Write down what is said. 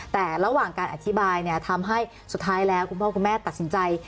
แต่ระหว่างการอธิบายเนี่ยทำให้สุดท้ายแล้วคุณพ่อคุณแม่ตัดสินใจ